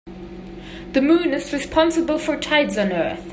The moon is responsible for tides on earth.